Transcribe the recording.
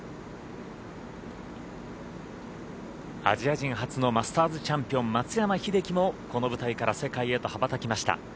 アジア人初のマスターズチャンピオン松山英樹もこの舞台から世界へと羽ばたきました。